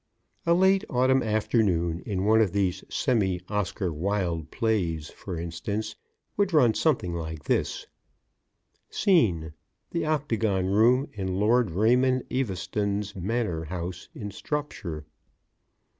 "] A late Autumn afternoon in one of these semi Oscar Wilde plays, for instance, would run something like this: SCENE _The Octagon Room in Lord Raymond Eaveston's Manor House in Stropshire.